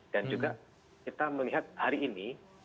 dan juga kita melihat hari ini